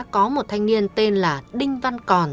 có một thanh niên tên là đinh văn còn